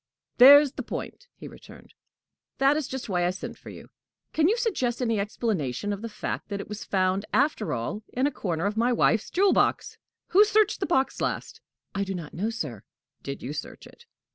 "There's the point!" he returned. "That is just why I sent for you! Can you suggest any explanation of the fact that it was found, after all, in a corner of my wife's jewel box? Who searched the box last?" "I do not know, sir." "Did you search it?"